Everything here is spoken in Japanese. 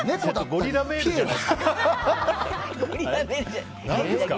ゴリラメールじゃないですか。